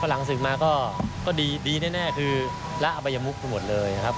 หลังศึกมาก็ดีแน่คือละอบายมุกไปหมดเลยครับ